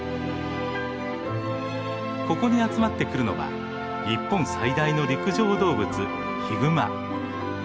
ここに集まってくるのは日本最大の陸上動物ヒグマ。